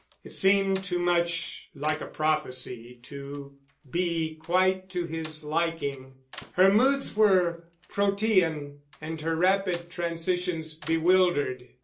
It seemed too much like a prophecy to be quite to his liking. Her moods were Protean and her rapid transitions bewildered.